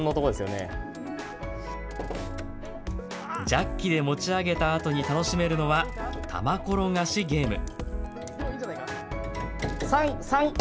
ジャッキで持ち上げたあとに楽しめるのは、球転がしゲーム。